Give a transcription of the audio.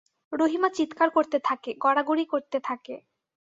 রহিমা চিৎকার করতে থাকে, গড়াগড়ি করতে থাকে।